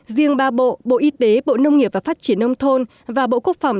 riêng ba bộ bộ y tế bộ nông nghiệp và phát triển nông thôn và bộ quốc phòng